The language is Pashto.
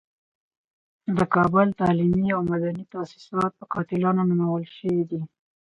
د کابل تعلیمي او مدني تاسیسات په قاتلانو نومول شوي دي.